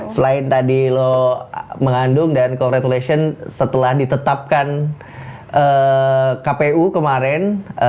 selain tadi lo mengandung dan call retulation setelah ditetapkan kpu kemarin